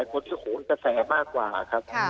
คนที่โหนกระแสมากกว่าครับ